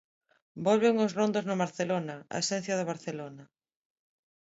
Volven os rondos no Barcelona, a esencia do Barcelona.